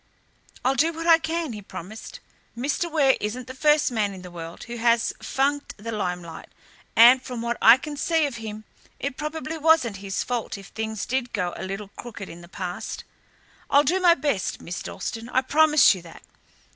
"I'll do what I can," he promised. "Mr. Ware isn't the first man in the world who has funked the limelight, and from what I can see of him it probably wasn't his fault if things did go a little crooked in the past. I'll do my best, Miss Dalstan, I promise you that.